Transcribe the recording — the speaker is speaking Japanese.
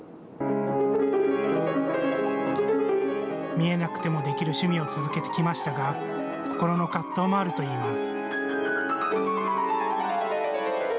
見えなくてもできる趣味を続けてきましたが心の葛藤もあるといいます。